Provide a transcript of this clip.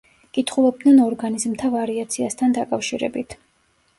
კითხულობდნენ ორგანიზმთა ვარიაციასთან დაკავშირებით.